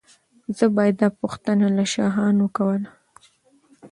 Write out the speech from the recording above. زه به دا پوښتنه له شاهانو کوله.